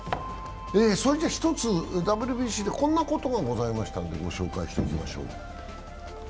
それでは、ＷＢＣで１つこんなことがございましたので、ご紹介しましょう。